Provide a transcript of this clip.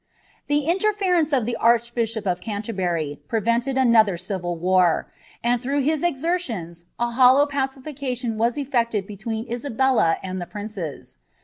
^ The interference of the archbishop of Canterbury prevented another civil war, and through his exertions a hollow pacification was effected between Isabella and the princes.